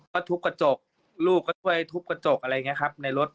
ก็ทุบกระจกลูกก็ช่วยทุบกระจกอะไรอย่างนี้ครับในรถ